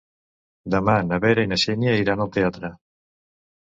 Demà na Vera i na Xènia iran al teatre.